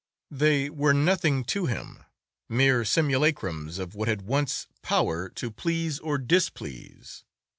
They were nothing to him, mere simulacrums of what had once power to please or displease.